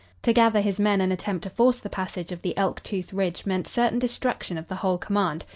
To gather his men and attempt to force the passage of the Elk Tooth ridge meant certain destruction of the whole command.